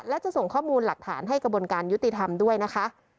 และจะส่งข้อมูลหลักฐานให้กระบวนการยุติธรรมด้วยนะคะ